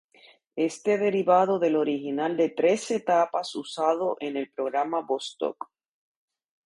Este derivado del original de tres etapas usado en el programa Vostok.